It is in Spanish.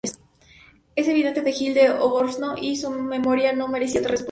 Es evidente que Gil de Albornoz y su memoria no merecía otra respuesta.